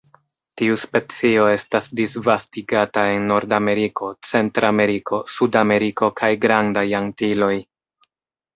Tiu specio estas disvastigata en Nordameriko, Centrameriko, Sudameriko kaj Grandaj Antiloj.